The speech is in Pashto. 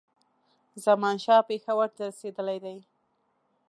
زمانشاه پېښور ته رسېدلی دی.